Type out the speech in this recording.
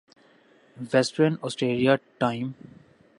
western Australia time